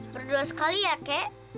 berdoa sekali ya kek